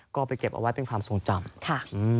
ก็ไปเก็บเอาไว้เป็นความทรงจำค่ะ